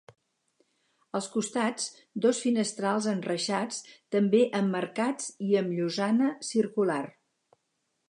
Als costats, dos finestrals enreixats també emmarcats i amb llosana circular.